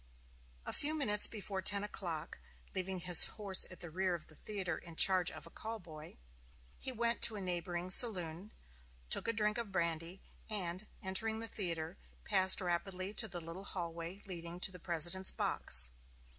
A few minutes before ten o'clock, leaving his horse at the rear of the theater in charge of a call boy, he went into a neighboring saloon, took a drink of brandy, and, entering the theater, passed rapidly to the little hallway leading to the President's box.